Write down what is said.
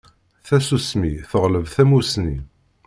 Tasusmi teɣleb tamusni.